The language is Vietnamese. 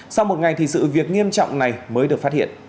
sau một ngày thì sự việc nghiêm trọng này mới được phát hiện